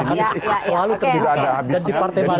jangan habis nih waktunya kita